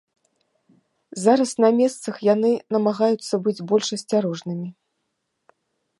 Зараз на месцах яны намагаюцца быць больш асцярожнымі.